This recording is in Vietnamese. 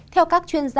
theo các chuyên gia